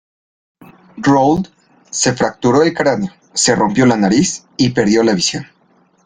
Roald se fracturó el cráneo, se rompió la nariz y perdió la visión.